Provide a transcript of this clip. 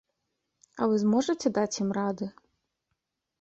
А вы зможаце даць ім рады?